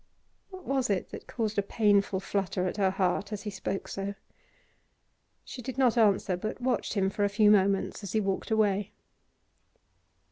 What was it that caused a painful flutter at her heart as he spoke so? She did not answer, but watched him for a few moments as he walked away.